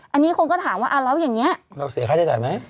อันนี้คนก็ถามว่าเราเสียค่าใช้จ่ายไหม